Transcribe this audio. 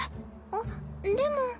あっでも。